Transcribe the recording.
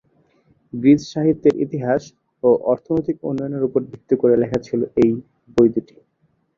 Greece সাহিত্যের ইতিহাস ও অর্থনৈতিক উন্নয়নের ওপর ভিত্তি করে লেখা ছিল এই বই দুটি।